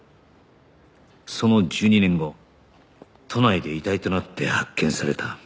その１２年後都内で遺体となって発見された